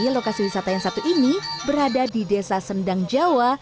lokasi wisata yang satu ini berada di desa sendang jawa